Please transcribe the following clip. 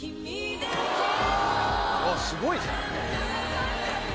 うわすごいじゃん。